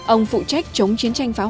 ông phụ trách chống chiến tranh phá hoạch